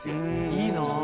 いいなあ。